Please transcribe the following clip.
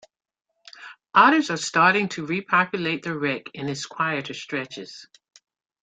Otters are starting to repopulate the Wreake in its quieter stretches.